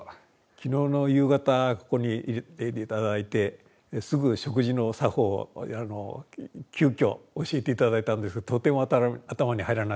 昨日の夕方ここに入れて頂いてすぐ食事の作法を急きょ教えて頂いたんですがとても頭に入らなくて。